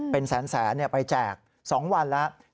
เป็นแสนไปแจก๒วันแล้ว